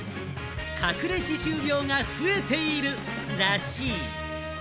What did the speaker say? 隠れ歯周病が増えているらしい。